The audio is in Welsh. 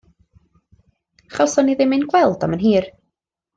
Chawsom ni ddim ein gweld am yn hir.